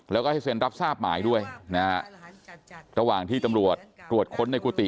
แล้วก็ให้เซ็นรับทราบหมายด้วยนะฮะระหว่างที่ตำรวจตรวจค้นในกุฏิ